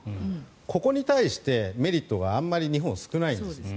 ここに対してメリットはあまり日本は少ないです。